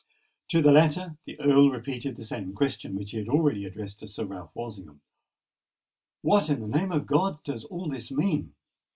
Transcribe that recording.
To the latter the Earl repeated the same question which he had already addressed to Sir Ralph Walsingham:—"What, in the name of God! does all this mean?"